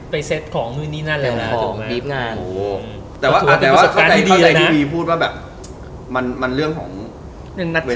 ไปเซ็ตของหนึ่งนี้นั่นแหละแต่ว่าเข้าใจที่วีพูดว่าแบบมันเรื่องของเวลา